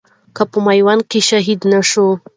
که په ميوند کښي شهيد نه شوې